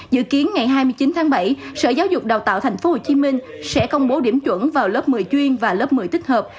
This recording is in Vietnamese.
dự kiến ngày hai mươi chín tháng bảy sở giáo dục đào tạo tp hcm sẽ công bố điểm chuẩn vào lớp một mươi chuyên và lớp một mươi tích hợp